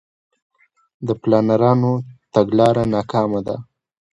د پلانرانو تګلاره ناکامه ده.